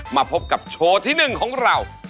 มาพบกับโชว์ที่๑ของเรา